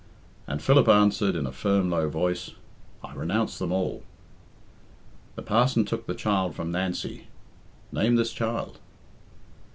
And Philip answered, in a firm, low voice, "I renounce them all." The parson took the child from Nancy. "Name this child."